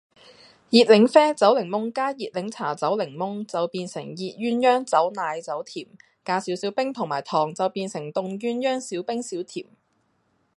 熱檸啡走檸檬加熱檸茶走檸檬就變成熱鴛鴦走奶走甜，加少少冰同埋糖就變成凍鴛鴦少冰少甜